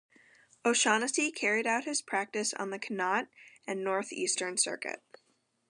O'Shaughnessy carried out his practice on the Connaught and North Eastern Circuit.